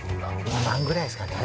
２万ぐらいですかね